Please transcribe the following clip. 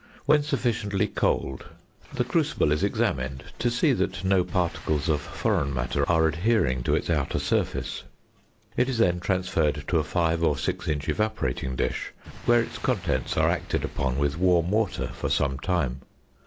When sufficiently cold, the crucible is examined to see that no particles of foreign matter are adhering to its outer surface. It is then transferred to a five or six inch evaporating dish, where its contents are acted upon with warm water for some time.